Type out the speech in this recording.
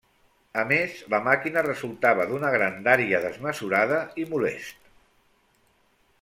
A més, la màquina resultava d'una grandària desmesurada i molest.